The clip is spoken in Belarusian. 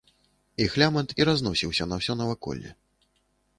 Іх лямант і разносіўся на ўсё наваколле.